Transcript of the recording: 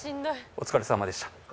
お疲れさまでした。